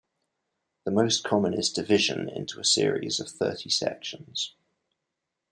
The most common is division into a series of thirty sections.